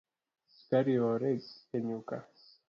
Skari oore e nyuka